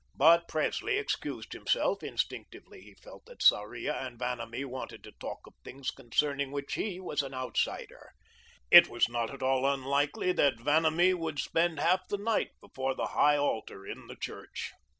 But Presley excused himself. Instinctively, he felt that Sarria and Vanamee wanted to talk of things concerning which he was an outsider. It was not at all unlikely that Vanamee would spend half the night before the high altar in the church.